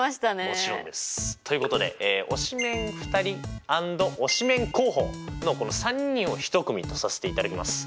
もちろんです。ということで推しメン２人アンド推しメン候補のこの３人を一組とさせていただきます。